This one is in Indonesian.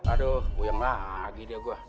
aduh uyang lagi dia gua